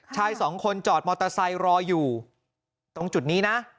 ชายสองคนจอดมอเตอร์ไซค์รออยู่ตรงจุดนี้นะ